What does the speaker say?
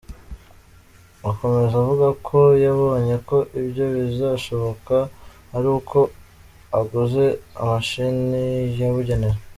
Akomeza avuga ko yabonye ko ibyo bizashoboka ari uko aguze imashini yabugenewe.